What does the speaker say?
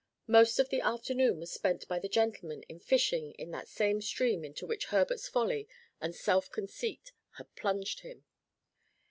Most of the afternoon was spent by the gentlemen in fishing in that same stream into which Herbert's folly and self conceit had plunged him.